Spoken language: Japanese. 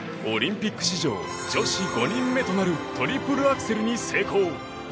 オリンピック史上女子５人目となるトリプルアクセルに成功。